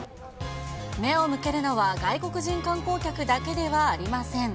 目を向けるのは、外国人観光客だけではありません。